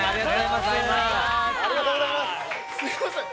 すみません